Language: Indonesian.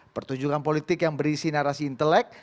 pertunjukan politik yang berisi narasi intelek